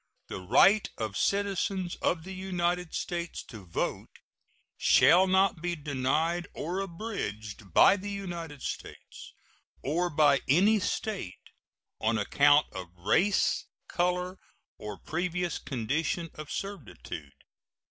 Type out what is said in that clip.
The right of citizens of the United States to vote shall not be denied or abridged by the United States, or by any State, on account of race, color, or previous condition of servitude.